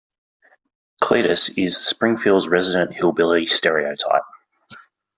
Cletus is Springfield's resident hillbilly stereotype.